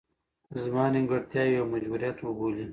زما نیمګړتیاوې یو مجبوریت وبولي.